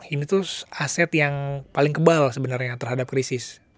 ini tuh aset yang paling kebal sebenarnya terhadap krisis